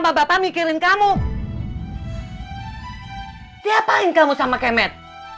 emak sama bapak mikirin kamu dia apaan kamu sama akemet